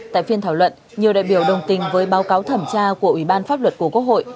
tại phiên thảo luận nhiều đại biểu đồng tình với báo cáo thẩm tra của ủy ban pháp luật của quốc hội